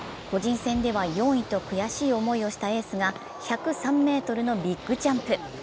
個人戦では４位と悔しい思いをしたエースが１０３ｍのビッグジャンプ。